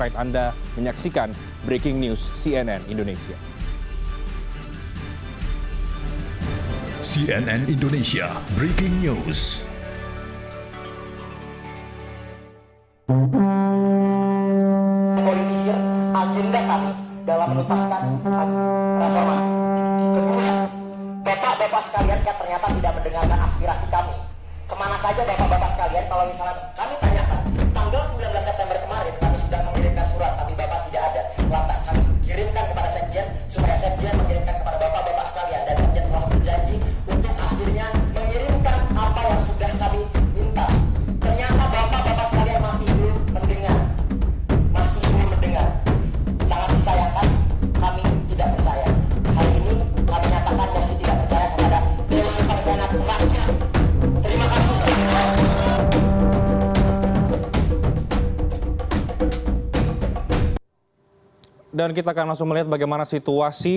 cnn indonesia breaking news